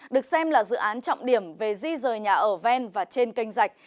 được xem là dự án trọng điểm về di rời nhà ở ven và trên kênh rạch